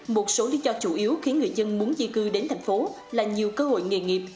một số lý do chủ yếu khiến người dân muốn di cư đến thành phố là nhiều cơ hội nghề nghiệp